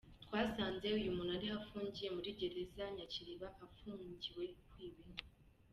Twasanze uyu muntu ariho, afungiwe muri gereza Nyakiliba, afungiwe kwiba inka.”